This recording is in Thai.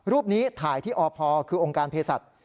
รูปนี้ถ่ายที่อพคือองค์การเพศัตริย์